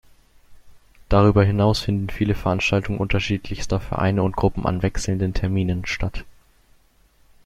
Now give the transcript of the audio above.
Darüber hinaus finden viele Veranstaltungen unterschiedlichster Vereine und Gruppen an wechselnden Terminen statt.